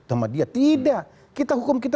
sama dia tidak kita hukum kita